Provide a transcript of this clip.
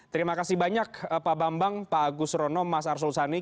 terima kasih banyak pak bambang pak agus rono mas arsul sani